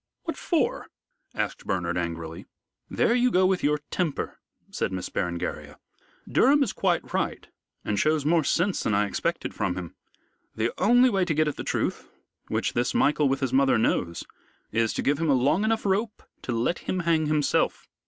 "What for?" asked Bernard, angrily. "There you go with your temper," said Miss Berengaria. "Durham is quite right and shows more sense than I expected from him. The only way to get at the truth which this Michael with his mother knows is to give him a long enough rope to let him hang himself.